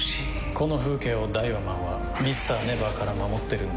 この風景をダイワマンはＭｒ．ＮＥＶＥＲから守ってるんだ。